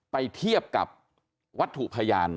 เทียบกับวัตถุพยาน